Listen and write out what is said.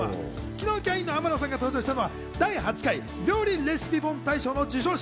昨日キャインの天野さんが登場したのは第８回料理レシピ本大賞の授賞式。